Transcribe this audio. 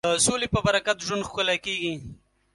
د سولې په برکت ژوند ښکلی کېږي.